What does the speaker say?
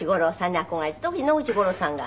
特に野口五郎さんが。